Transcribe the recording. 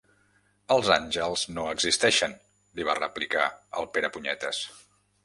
Els àngels no existeixen —li va replicar el Perepunyetes.